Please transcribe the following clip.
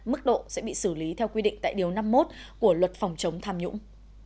mức độ sẽ bị xử lý theo quy định tại điều năm mươi một của luật phòng chống tham nhũng